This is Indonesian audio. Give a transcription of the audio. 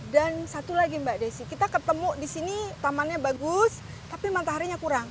dan satu lagi mbak desy kita ketemu di sini tamannya bagus tapi mataharinya kurang